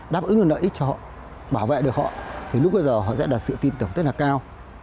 đáp ứng được lợi ích cho họ bảo vệ được họ thì lúc bây giờ họ sẽ đạt sự tin tưởng rất là cao